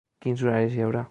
Quins horaris hi haurà?